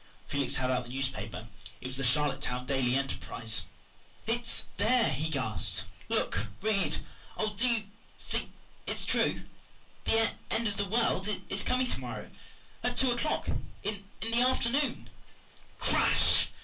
Felix held out the newspaper it was the Charlottetown Daily Enterprise. "It's there," he gasped. "Look read oh, do you think it's true? The end of the world is coming to morrow at two o'clock in the afternoon!" Crash!